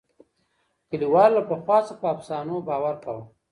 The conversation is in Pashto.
کلیوالو له پخوا څخه په افسانو باور کاوه.